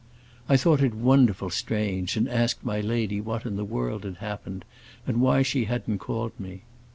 I thought it wonderful strange, and asked my lady what in the world had happened, and why she hadn't called me.